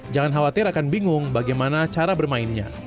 jangan khawatir akan bingung bagaimana cara bermainnya